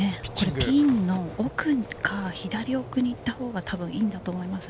ピンの奥か左奥に行ったほうがたぶんいいんだと思います。